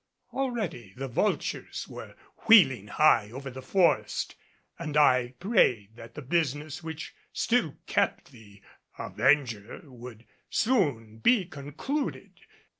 Already the vultures were wheeling high over the forest and I prayed that the business which still kept the Avenger would soon be concluded.